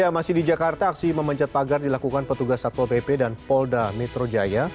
masih di jakarta aksi memenjat pagar dilakukan petugas satpol pp dan polda metro jaya